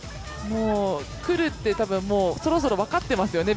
来るって、そろそろ分かってますよね